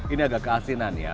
ini agak keasinan ya